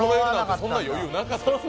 そんな余裕なかった。